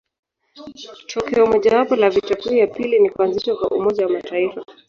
Tokeo mojawapo la vita kuu ya pili ni kuanzishwa kwa Umoja wa Mataifa.